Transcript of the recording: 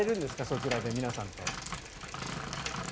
そちらで皆さんと。